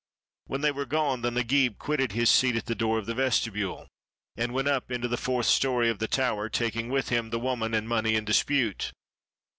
When they were gone, the Nagib quitted his seat at 531 ARABIA the door of the vestibule and went up into the fourth story of the tower, taking with him the woman and money in dispute.